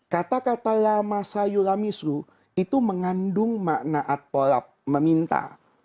kata kata lamasa yulamisu itu mengandung maknaat pola meminta